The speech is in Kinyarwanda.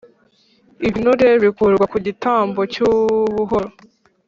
ibinure bikurwa ku gitambo cy’ubuhoro,